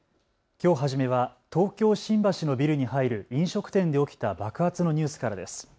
きょう初めは東京新橋のビルに入る飲食店で起きた爆発のニュースからです。